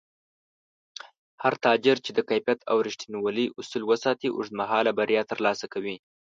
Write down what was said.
هر تاجر چې د کیفیت او رښتینولۍ اصول وساتي، اوږدمهاله بریا ترلاسه کوي